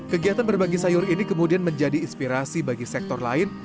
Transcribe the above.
kegiatan berbagi sayur ini kemudian menjadi inspirasi bagi sektor lain